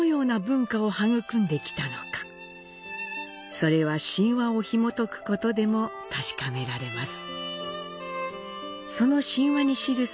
それは神話をひもとくことでも確かめられます。